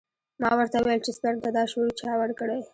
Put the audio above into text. ما ورته وويل چې سپرم ته دا شعور چا ورکړى.